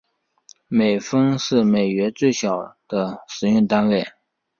美分是美元最小的使用单位。